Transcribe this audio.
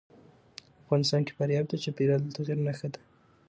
افغانستان کې فاریاب د چاپېریال د تغیر نښه ده.